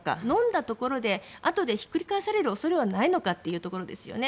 飲んだところで後でひっくり返される恐れはないのかというところです。